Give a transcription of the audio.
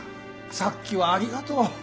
さっきはありがとう。